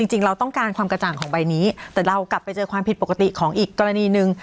จริงเราต้องการความกระจ่างของใบนี้แต่เรากลับไปเจอความผิดปกติของอีกกรณีหนึ่ง